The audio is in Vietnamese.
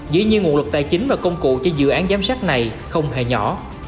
dĩ nhiên nguồn lực tài chính và công cụ cho dự án giám sát này không hề nhỏ